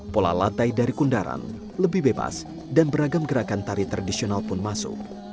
pola lantai dari kundaran lebih bebas dan beragam gerakan tari tradisional pun masuk